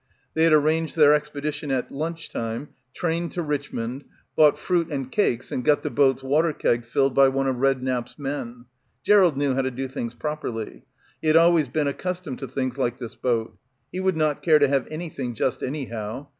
They had arranged their expedition at lunch time, trained to Richmond, bought fruit and cakes and got the boat's water keg filled by one of Redknap's men. Gerald knew how to do things properly. He had always been accustomed to things like this boat. He would not care to have anything just anyhow.